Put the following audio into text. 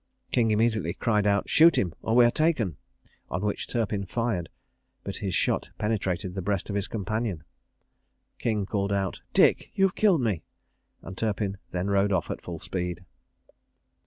King immediately cried out "Shoot him, or we are taken;" on which Turpin fired, but his shot penetrated the breast of his companion. King called out, "Dick, you have killed me!" and Turpin then rode off at full speed.